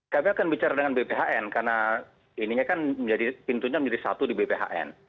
kami akan bicara dengan bphn karena ininya kan pintunya menjadi satu di bphn